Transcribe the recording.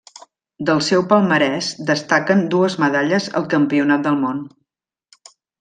Del seu palmarès destaquen dues medalles al Campionat del món.